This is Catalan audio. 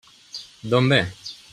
D'on ve?